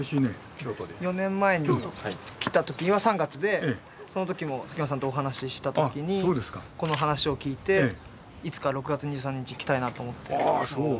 ４年前に来た時は３月でその時も佐喜眞さんとお話しした時にこの話を聞いていつか６月２３日に来たいなと思って来た。